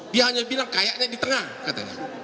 dia hanya bilang kayaknya di tengah katanya